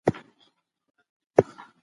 وروسته ناروغ بې نښو پړاو ته ننوځي.